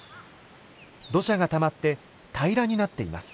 土砂がたまって平らになっています。